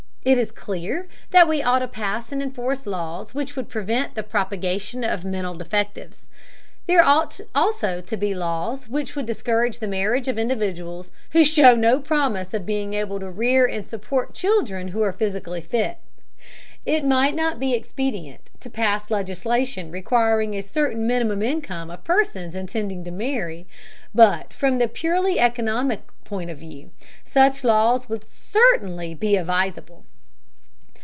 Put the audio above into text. It is clear that we ought to pass and enforce laws which would prevent the propagation of mental defectives. There ought also to be laws which would discourage the marriage of individuals who show no promise of being able to rear and support children who are physically fit. It might not be expedient to pass legislation requiring a certain minimum income of persons intending to marry, but from the purely economic point of view, such laws would certainly be advisable.